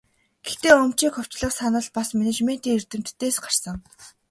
Гэхдээ өмчийг хувьчлах санал бас менежментийн эрдэмтдээс гарсан.